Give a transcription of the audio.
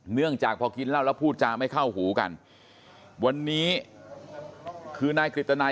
เนื่องจากพอกินเหล้าแล้วพูดจาไม่เข้าหูกันวันนี้คือนายกฤตนัย